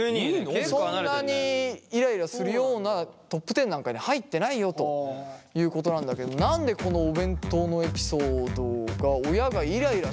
そんなにイライラするようなトップ１０なんかに入ってないよということなんだけど何でこのお弁当のエピソードが親がイライラしなかったと思うか。